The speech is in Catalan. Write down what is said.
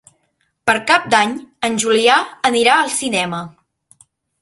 Per Cap d'Any en Julià anirà al cinema.